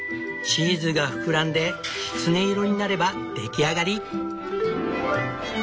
チーズが膨らんできつね色になれば出来上がり！